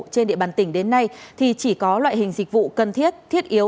trên địa bàn tỉnh đến nay thì chỉ có loại hình dịch vụ cần thiết thiết yếu